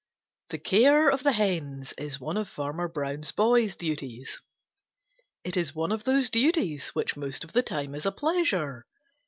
The care of the hens is one of Farmer Brown's boy's duties. It is one of those duties which most of the time is a pleasure.